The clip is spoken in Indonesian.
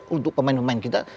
untuk pemain pemain kita